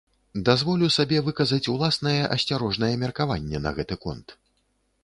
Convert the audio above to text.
Дазволю сабе выказаць уласнае асцярожнае меркаванне на гэты конт.